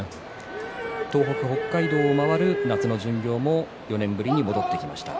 東北、北海道を回る夏の巡業も４年ぶりに戻ってきました。